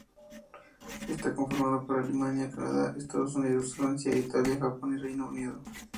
Está conformado por Alemania, Canadá, Estados Unidos, Francia, Italia, Japón y Reino Unido.